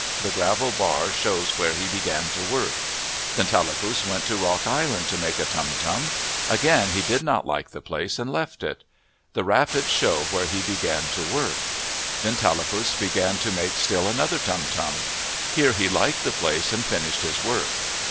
The gravel bar shows where he began to work. Then Tallapus went to Rock Island to make a turn turn. Again he did not like the place and left it. The rapids show where he began to work. Then Tallapus began to make still another turn turn. Here he liked the place and finished his work.